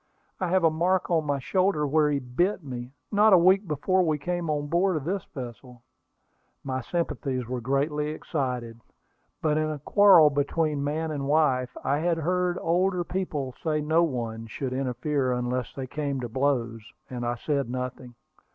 I have a mark on my shoulder where he bit me, not a week before we came on board of this vessel." My sympathies were greatly excited; but in a quarrel between man and wife, I had heard older people say no one should interfere unless they came to blows, and I said nothing.